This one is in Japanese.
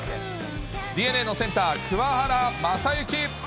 ＤｅＮＡのセンター、桑原将志。